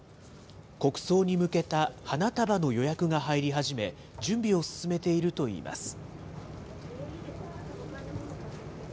国葬に向けた花束の予約が入り始め、準備を進めているといいます。